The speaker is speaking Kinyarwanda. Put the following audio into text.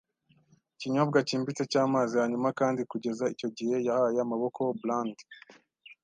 ikinyobwa cyimbitse cyamazi, hanyuma, kandi, kugeza icyo gihe, yahaye Amaboko brandi.